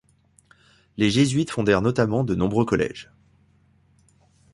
Les jésuites fondèrent notamment de nombreux collèges.